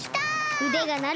うでがなる！